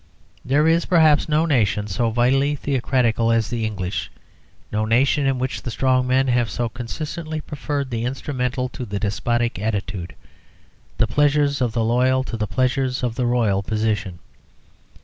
There is, perhaps, no nation so vitally theocratical as the English; no nation in which the strong men have so consistently preferred the instrumental to the despotic attitude, the pleasures of the loyal to the pleasures of the royal position.